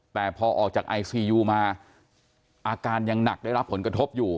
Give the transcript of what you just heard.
แต่พอออกจากไอซียูมาอาการยังหนักได้รับผลกระทบอยู่